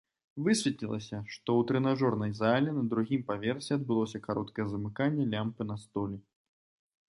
Высветлілася, што ў трэнажорнай зале на другім паверсе адбылося кароткае замыканне лямпы на столі.